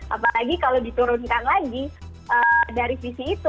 apalagi kalau diturunkan lagi dari visi itu